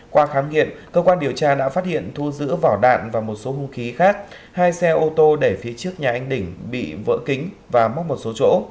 qua khám nghiệm cơ quan điều tra đã phát hiện thu giữ vỏ đạn và một số hung khí khác hai xe ô tô để phía trước nhà anh đỉnh bị vỡ kính và móc một số chỗ